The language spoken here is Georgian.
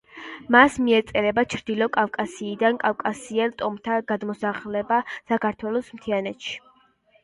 მას მიეწერება ჩრდილო კავკასიიდან კავკასიელ ტომთა გადმოსახლება საქართველოს მთიანეთში.